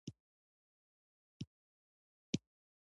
مورغاب سیند د افغان ماشومانو د لوبو موضوع ده.